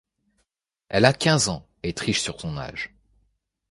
Elle a quinze ans et triche sur son âge.